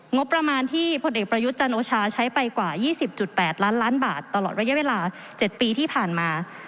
งบประมาณที่พลเอกประยุทธ์จันโอชาใช้ไปกว่า๒๐๘ล้านล้านบาทตลอดระยะเวลา๗ปีที่ผ่านมา